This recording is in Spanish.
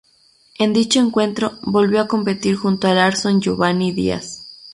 En dicho encuentro volvió a competir junto a Larson Giovanni Díaz.